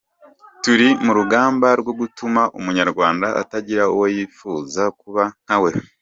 Turi mu rugamba rwo gutuma Umunyarwanda atagira uwo yifuza kuba nka we